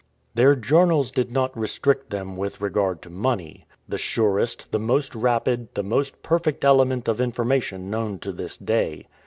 Their journals did not restrict them with regard to money the surest, the most rapid, the most perfect element of information known to this day.